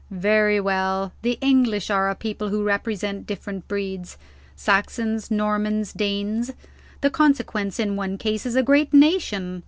Very well, the English are a people who represent different breeds: Saxons, Normans, Danes. The consequence, in one case, is a great nation.